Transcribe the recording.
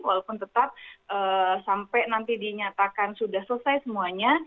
walaupun tetap sampai nanti dinyatakan sudah selesai semuanya